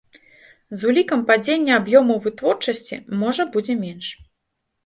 З улікам падзення аб'ёмаў вытворчасці, можа, будзе менш.